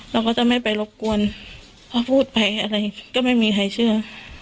เราก็จะไม่ไปรบกวนเพราะพูดไปอะไรก็ไม่มีใครเชื่อ